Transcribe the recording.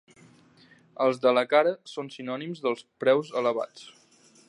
Els de la cara són sinònims dels preus elevats.